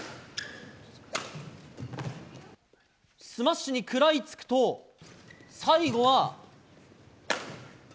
スマッシュに食らいつくと最後は。